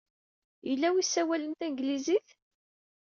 Yella wi ssawalen Tanglizit?